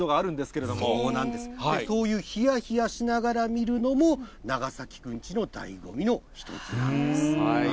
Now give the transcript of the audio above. けれそういうひやひやしながら見るのも、長崎くんちのだいご味の一つなんです。